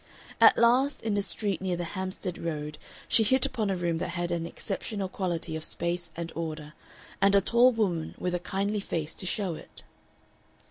At last in a street near the Hampstead Road she hit upon a room that had an exceptional quality of space and order, and a tall woman with a kindly face to show it.